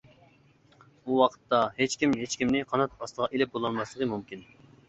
ئۇ ۋاقىتتا ھېچكىم ھېچكىمنى قانات ئاستىغا ئېلىپ بولالماسلىقى مۇمكىن.